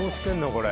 これ。